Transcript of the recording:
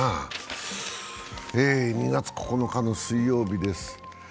２月９日の水曜日です。